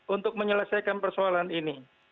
untuk menyelesaikan persoalan ini